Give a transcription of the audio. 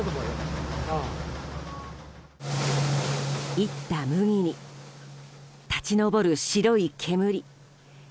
炒った麦に、立ち上る白い煙。